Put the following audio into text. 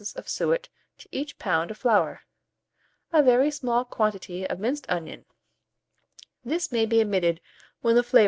of suet to each pound of flour; a very small quantity of minced onion (this may be omitted when the flavour is not liked).